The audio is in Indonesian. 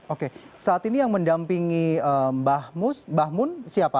oke saat ini yang mendampingi mbah mun siapa